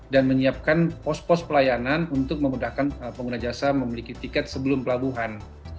dan menyiapkan pos pos pelayanan untuk memudahkan pengguna jasa memiliki tiket sebelum pelabuhan